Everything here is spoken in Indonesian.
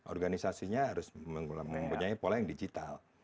organisasinya harus mempunyai pola yang digital